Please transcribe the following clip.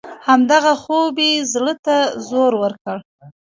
همدغه خوب یې زړه ته زور ورکړ.